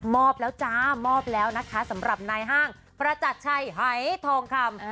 อบแล้วจ้ามอบแล้วนะคะสำหรับนายห้างประจักรชัยหายทองคำ